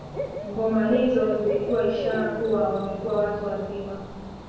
Ngoma hizo zilikuwa ishara kuwa wamekuwa watu wazima